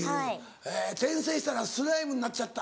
転生したらスライムになっちゃった！